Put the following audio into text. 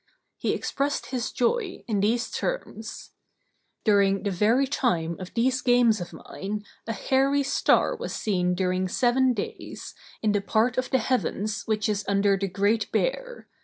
He expressed his joy in these terms: "During the very time of these games of mine, a hairy star was seen during seven days, in the part of the heavens which is under the Great Bear.